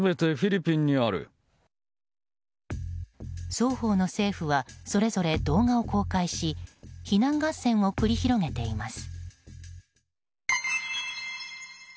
双方の政府はそれぞれ動画を公開し非難合戦を繰り広げています。